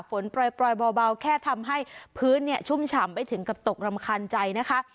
ฝนปล่อยเบาแค่ทำให้พื้นชุ่มฉ่ำไปถึงกับตกรำคาญใจนะคะ